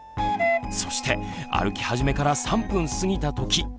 そして歩き始めから３分過ぎた時。